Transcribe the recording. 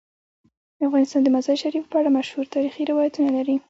افغانستان د مزارشریف په اړه مشهور تاریخی روایتونه لري.